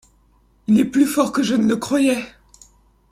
Il est plus fort que je ne le croyais.